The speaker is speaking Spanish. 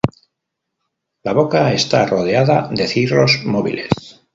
La boca está rodeada de cirros móviles.